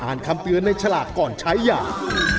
อ่านคำเตือนในฉลากก่อนใช้อย่าง